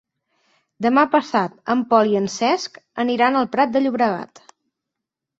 Demà passat en Pol i en Cesc aniran al Prat de Llobregat.